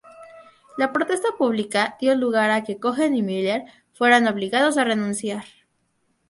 La protesta pública dio lugar a que Cohen y Miller fueran obligados a renunciar.